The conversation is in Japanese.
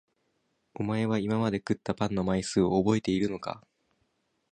おまえは今まで食ったパンの枚数をおぼえているのか？